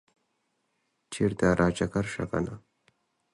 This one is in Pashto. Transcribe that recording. چرته راچکر شه کنه